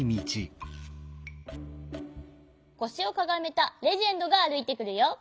こしをかがめたレジェンドがあるいてくるよ。